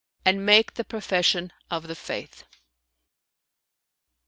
and make the profession of the Faith."